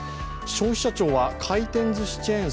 消費者庁は回転ずしチェーン